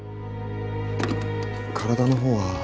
体の方は。